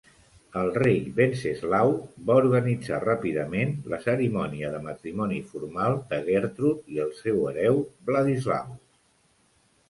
El rei Venceslau va organitzar ràpidament la cerimònia de matrimoni formal de Gertrude i el seu hereu, Vladislaus.